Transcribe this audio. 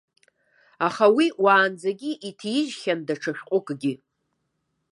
Аха уи уаанӡагьы иҭижьхьан даҽа шәҟәыкгьы.